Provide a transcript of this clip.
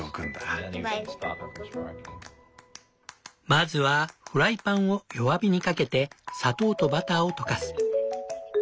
まずはフライパンを弱火にかけて砂糖とバターを溶かす。